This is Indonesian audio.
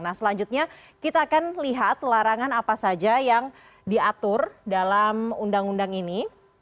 nah selanjutnya kita akan lihat larangan apa saja yang diatur dalam undang undang ini